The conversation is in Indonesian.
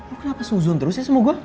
lo kenapa suzun terus ya sama gue